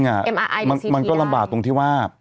แต่จริงมันก็ลำบากตรงที่ว่า